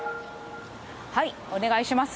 お願いします。